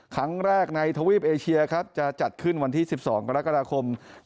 ครั้งแรกในทวีปเอเชียครับจะจัดขึ้นวันที่๑๒กรกฎาคม